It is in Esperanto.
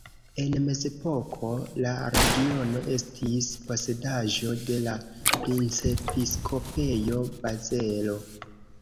En mezepoko la regiono estis posedaĵo de la Princepiskopejo Bazelo.